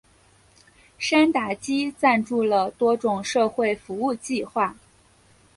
山达基赞助了多种社会服务计画。